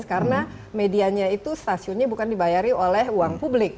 karena medianya itu stasiunnya bukan dibayari oleh uang publik